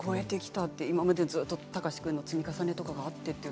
今までずっと貴司君の積み重ねがあって。